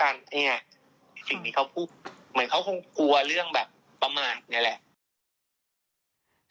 สิ่งที่เขาพูดเหมือนเขาคงกลัวเรื่องแบบประมาทนี่แหละ